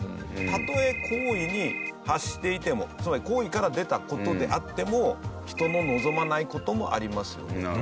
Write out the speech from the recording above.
たとえ好意に発していてもつまり好意から出た事であっても人の望まない事もありますよね。